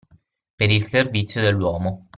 Per il servizio dell'uomo